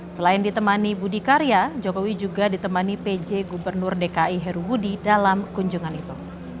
selain ditemani budi karya jokowi juga ditemani pj gubernur dki heru budi dalam kunjungan itu